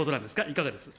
いかがです。